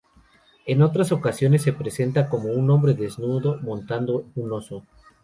En otras ocasiones se presenta como un hombre desnudo montando un oso.